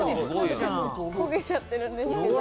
焦げちゃってるんですけど。